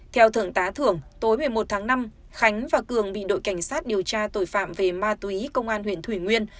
theo thượng tá thưởng tối một mươi một tháng năm khánh và cường bị đội cảnh sát điều tra tội phạm về ma túy công an huyện thủy nguyên